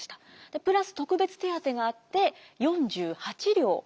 プラス特別手当があって４８両。